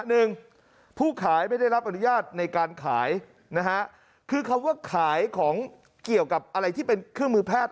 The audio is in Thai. หนึ่งผู้ขายไม่ได้รับอนุญาตในการขายนะฮะคือคำว่าขายของเกี่ยวกับอะไรที่เป็นเครื่องมือแพทย์